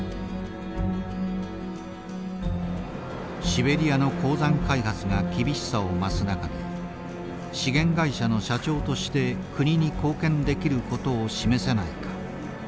シベリアの鉱山開発が厳しさを増す中で資源会社の社長として国に貢献できることを示せないか。